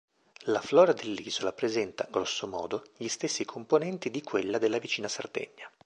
La flora dell'isola presenta, grossomodo, gli stessi componenti di quella della vicina Sardegna.